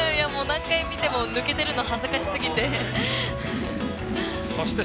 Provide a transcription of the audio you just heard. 何回見ても、抜けてるの恥ずかしすぎて。